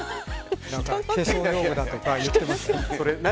化粧用具だとか言っています。